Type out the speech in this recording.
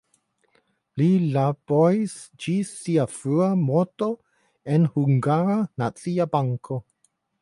Li laboris ĝis sia frua morto en Hungara Nacia Banko.